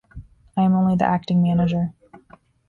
I am only the acting manager.